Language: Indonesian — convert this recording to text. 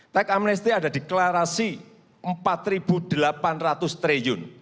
teks amnesty ada deklarasi rp empat delapan ratus triliun